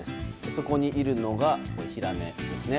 そこにいるのがヒラメですね。